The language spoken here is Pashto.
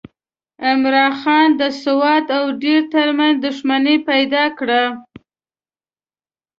عمرا خان د سوات او دیر ترمنځ دښمني پیدا کړه.